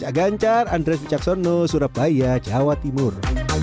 cak ganjar andres bicaksono surabaya jawa timur